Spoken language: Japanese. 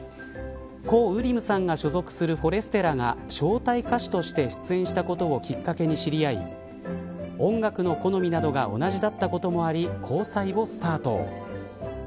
コ・ウリムさんが所属するフォレステラが招待歌手として出演したことをきっかけに知り合い音楽の好みなどが同じだったこともあり交際をスタート。